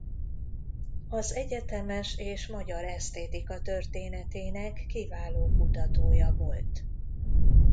Az egyetemes és magyar esztétika történetének kiváló kutatója volt.